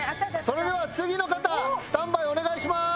それでは次の方スタンバイお願いします。